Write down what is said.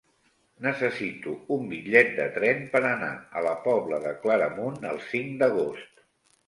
Necessito un bitllet de tren per anar a la Pobla de Claramunt el cinc d'agost.